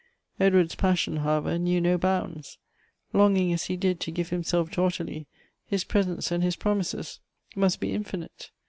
Edward's pas sion, however, knew no bounds. Longing as he did to give himself to Ottilie, his presents and his promises must be infinite.